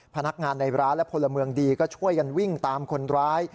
พนักงานในร้านและพลเมืองดีก็ช่วยกันวิ่งตามคนร้าย